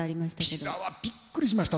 ピザはびっくりしました。